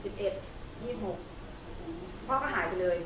พ่อก็หายไปเลย